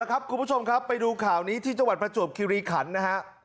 คุณผู้ชมครับไปดูข่าวนี้ที่จังหวัดประจวบคิริขันนะฮะ